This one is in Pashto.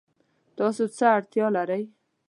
تاسو څه اړتیا لرئ؟